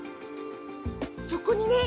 そこにね